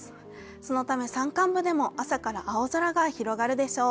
そのため山間部でも朝から青空が広がるでしょう。